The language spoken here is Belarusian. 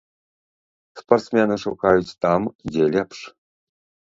Спартсмены шукаюць там, дзе лепш.